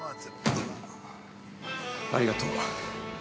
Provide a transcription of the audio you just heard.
ありがとう。